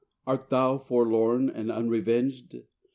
art thou forlorn, And unrevenged?